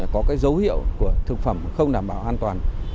có cái dấu hiệu của thực phẩm không đảm bảo an toàn